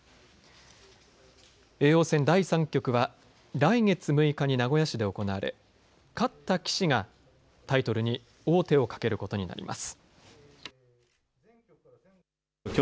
叡王戦第３局は来月６日に名古屋市で行われ勝った棋士がタイトルに王手をかけることになります。